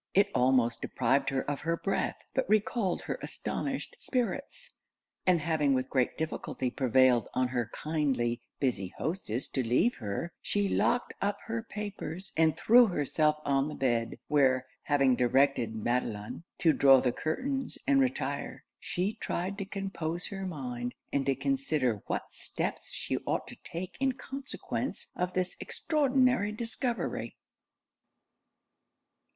' It almost deprived her of breath, but recalled her astonished spirits; and having with great difficulty prevailed on her kindly busy hostess to leave her, she locked up her papers, and threw herself on the bed; where, having directed Madelon to draw the curtains and retire, she tried to compose her mind, and to consider what steps she ought to take in consequence of this extraordinary discovery.